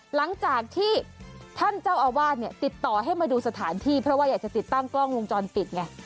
หลังจากที่ท่านเจ้าอาวาสเนี่ยติดต่อให้มาดูสถานที่เพราะว่าอยากจะติดตั้งกล้องวงจรปิดไง